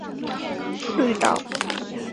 绿岛细柄草为禾本科细柄草属下的一个种。